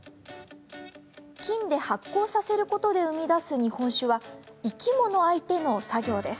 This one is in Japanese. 菌で発酵させることで生み出す日本酒は生き物相手の作業です。